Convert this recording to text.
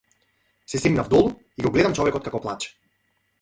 Се симнав долу и го гледам човекот како плаче.